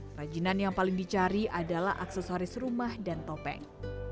kerajinan yang paling dicari adalah aksesoris rumah dan topeng